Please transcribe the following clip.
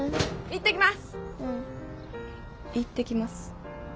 行ってきます。